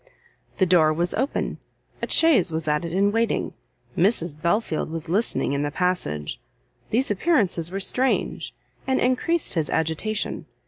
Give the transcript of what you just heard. The door was open, a chaise was at it in waiting, Mrs Belfield was listening in the passage; these appearances were strange, and encreased his agitation.